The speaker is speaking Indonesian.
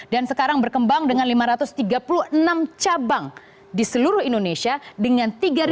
dan sekarang berkembang dengan lima ratus tiga puluh enam cabang di seluruh indonesia dengan rp tiga lima ratus empat puluh